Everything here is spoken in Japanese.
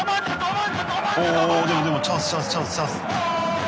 おでもでもチャンスチャンス。